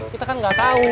kita kan gak tau